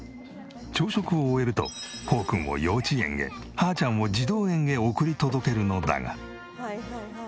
朝食を終えるとホーくんを幼稚園へハーちゃんを児童園へ送り届けるのだが。